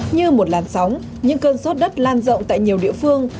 như một làn sóng những cơn sốt đất lan rộng tại nhiều địa phương